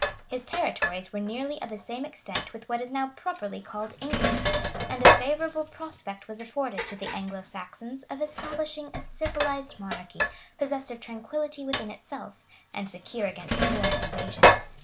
His territories were nearly of the same extent with what is now properly called England; and a favorable prospect was afforded to the Anglo Saxons of establishing a civilized monarchy, possessed of tranquillity within itself, and secure against foreign invasion.